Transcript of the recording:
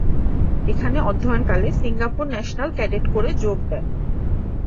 এখানে অধ্যয়নকালে Singapore national cadet কোরে যোগ দেন।